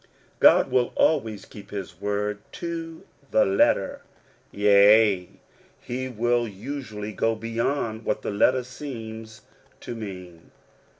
God will always keep his word to the letter ; yea, and he will usually go beyond what the letter seems to mean.